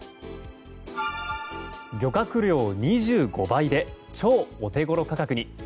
漁獲量２５倍で超お手ごろ価格に。